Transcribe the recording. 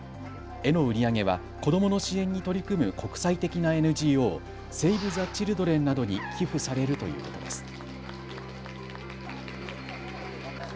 絵の売り上げは子どもの支援に取り組む国際的なＮＧＯ、セーブ・ザ・チルドレンなどに寄付されるということです。